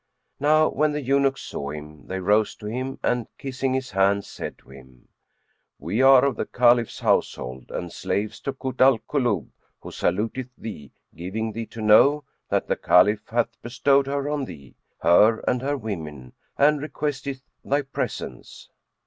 Now when the eunuchs saw him, they rose to him and, kissing his hands, said to him, "We are of the Caliph's household and slaves to Kut al Kulub, who saluteth thee, giving thee to know that the Caliph hath bestowed her on thee, her and her women, and requesteth thy presence."